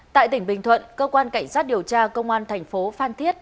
tại tỉnh bình thuận cơ quan cảnh sát điều tra công an thành phố phan thiết